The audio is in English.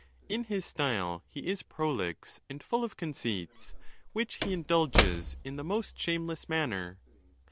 In his style he is prolix, and full of conceits, which he indulges in the most shameless manner.